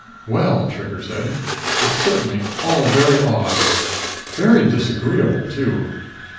"Well," Trigger said, "it's certainly all very odd. Very disagreeable, too!"